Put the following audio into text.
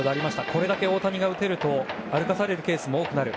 これだけ大谷が打てると歩かされるケースも多くなる。